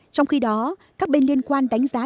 trong khi đó các bên liên quan đánh giá